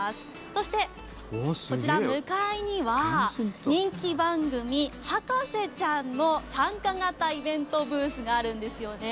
そして、こちら向かいには人気番組「博士ちゃん」の参加型イベントブースがあるんですよね。